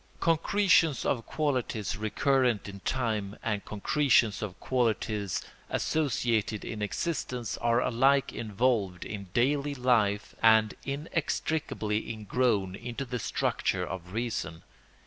] Concretions of qualities recurrent in time and concretions of qualities associated in existence are alike involved in daily life and inextricably ingrown into the structure of reason.